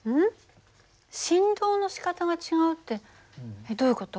振動のしかたが違うってどういう事？